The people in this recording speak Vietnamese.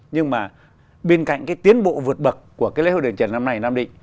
nhưng mà bên cạnh cái tiến bộ vượt bậc của cái lễ hội đền trần năm nay nam định